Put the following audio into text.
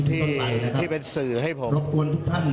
ที่เป็นสื่อให้ผมขอบคุณครับ